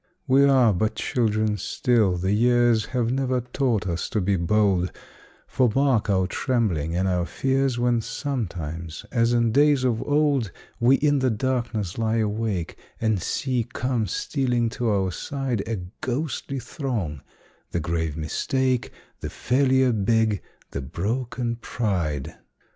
We are but children still, the years Have never taught us to be bold, For mark our trembling and our fears When sometimes, as in days of old, We in the darkness lie awake, And see come stealing to our side A ghostly throng the grave Mistake, The Failure big, the broken Pride.